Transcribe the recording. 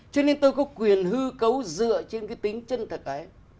cho nên tôi có quyền hư cầu dựa trên cái tính chân thực ấy